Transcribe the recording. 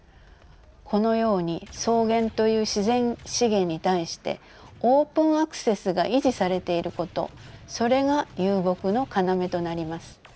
このように草原という自然資源に対してオープン・アクセスが維持されていることそれが遊牧の要となります。